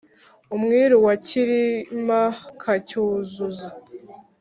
umwíru wa cyírim akacyúzuza